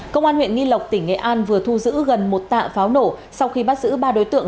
công an huyện nghi lộc tỉnh nghệ an vừa thu giữ gần một tạ pháo nổ sau khi bắt giữ ba đối tượng